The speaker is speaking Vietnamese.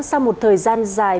sau một thời gian dài